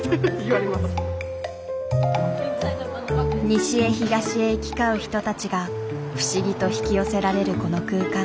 西へ東へ行き交う人たちが不思議と引き寄せられるこの空間。